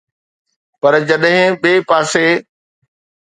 پر جڏهن ٻئي پاسي